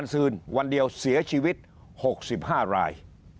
เสียชีวิต๖๕ราย